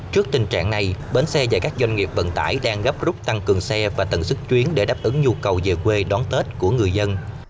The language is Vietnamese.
trước tình trạng này bến xe và các doanh nghiệp vận tải đang gấp rút tăng cường xe và tầng sức chuyến để đáp ứng nhu cầu về quê đón tết của người dân